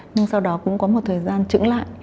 nhưng sau đó cũng có một thời gian trứng lại